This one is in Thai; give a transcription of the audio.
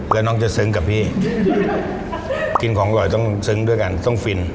แล้วน้องจะซึ้งกับพี่กินของอร่อยต้องซึ้งด้วยกันต้องฟิน